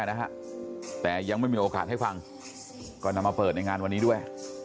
นะฮะแต่ยังไม่มีโอกาสให้ฟังก็นำมาเปิดในงานวันนี้ด้วย